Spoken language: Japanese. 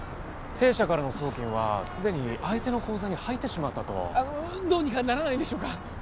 弊社からの送金はすでに相手の口座に入ってしまったとどうにかならないんでしょうか？